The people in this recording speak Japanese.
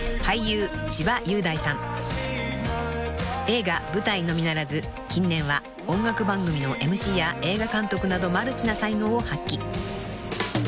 ［映画舞台のみならず近年は音楽番組のＭＣや映画監督などマルチな才能を発揮］